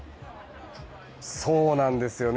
そうなんですよね。